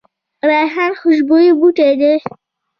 ریحان خوشبویه بوټی دی